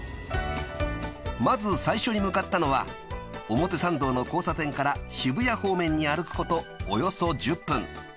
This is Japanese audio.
［まず最初に向かったのは表参道の交差点から渋谷方面に歩くことおよそ１０分］